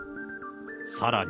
さらに。